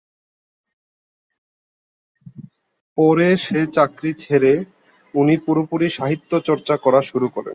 পরে সে চাকরি ছেড়ে উনি পুরোপুরি সাহিত্যচর্চা করা শুরু করেন।